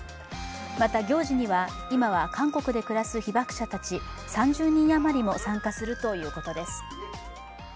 また、行事には今は韓国で暮らす被爆者たち３０人余りも参加するということです。